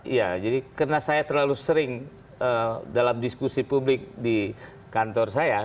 iya jadi karena saya terlalu sering dalam diskusi publik di kantor saya